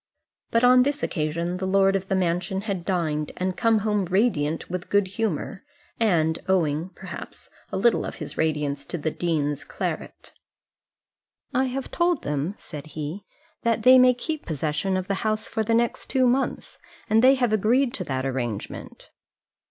But on this occasion the lord of the mansion had dined, and came home radiant with good humour, and owing, perhaps, a little of his radiance to the dean's claret. "I have told them," said he, "that they may keep possession of the house for the next two months, and they have agreed to that arrangement."